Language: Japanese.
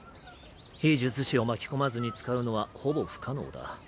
非術師を巻き込まずに使うのはほぼ不可能だ。